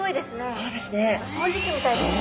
そうですね。